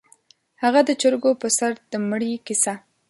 _هغه د چرګو پر سر د مړي کيسه؟